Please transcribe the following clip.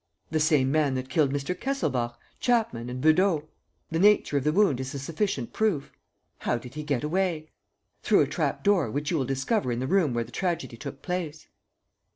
"The same man that killed Mr. Kesselbach, Chapman, and Beudot. The nature of the wound is a sufficient proof." "How did he get away?" "Through a trap door, which you will discover in the room where the tragedy took place."